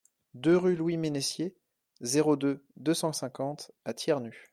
deux rue Louis Mennessier, zéro deux, deux cent cinquante à Thiernu